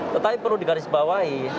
tetapi perlu digarisbawahi